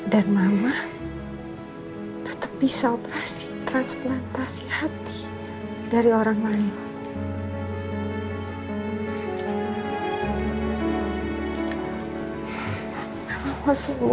dan mama tetap bisa operasi transplantasi hati dari orang lain